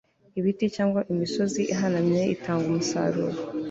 ibiti cyangwa imisozi ihanamye itanga umusaruro